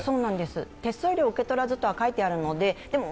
手数料を受け取らずと書いてあるので。